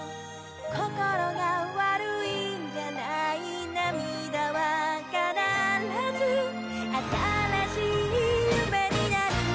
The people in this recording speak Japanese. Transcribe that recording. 「こころが悪いんじゃない」「涙はかならずあたらしい夢になる」